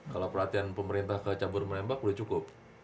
kalau perhatian pemerintah ke cabur menembak udah cukup